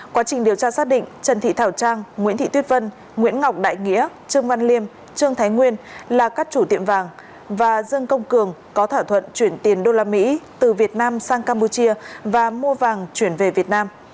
quá trình điều tra xác định trần thị thảo trang nguyễn thị tuyết vân nguyễn ngọc đại nghĩa trương văn liêm trương thái nguyên là các chủ tiệm vàng và dương công cường có thảo thuận chuyển tiền đô la mỹ từ việt nam sang campuchia và mua vàng chuyển về việt nam